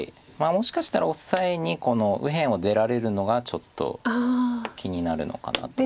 もしかしたらオサエにこの右辺を出られるのがちょっと気になるのかなと。